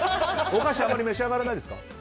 お菓子あまり召し上がらないですか？